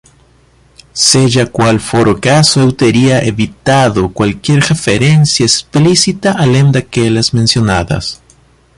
Seja qual for o caso, eu teria evitado qualquer referência explícita além daquelas mencionadas.